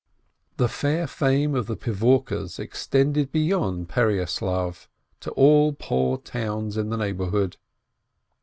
The fair fame of the Pidvorkes extended beyond Pereyaslav to all poor towns in the neighborhood.